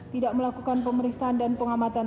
tidak melakukan pemeriksaan dan pengamatan